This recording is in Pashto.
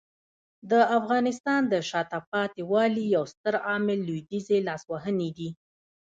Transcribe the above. د افغانستان د شاته پاتې والي یو ستر عامل لویدیځي لاسوهنې دي.